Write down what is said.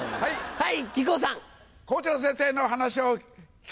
はい。